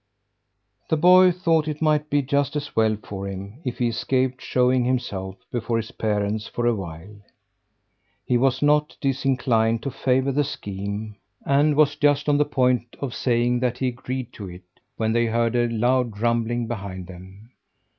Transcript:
The boy thought it might be just as well for him if he escaped showing himself before his parents for a while. He was not disinclined to favour the scheme, and was just on the point of saying that he agreed to it when they heard a loud rumbling behind them.